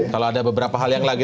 kalau ada beberapa hal yang lagi